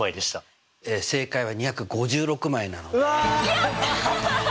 やった！